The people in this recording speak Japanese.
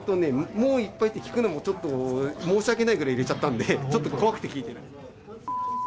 もういっぱい？って聞くのも申し訳ないくらい入れちゃったんで、ちょっと怖くて聞いてない。